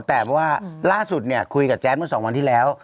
แต่ว่าล่าสุดเนี่ยคุยกับแจ๊ดเมื่อ๒วันที่แล้ว